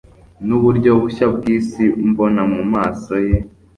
Nuburyo bushya bwisi mbona mumaso ye